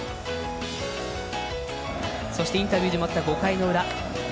そして、インタビューでもあった５回の裏。